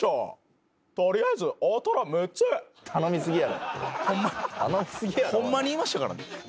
「取りあえず大トロ６つ」ホンマに言いましたからね。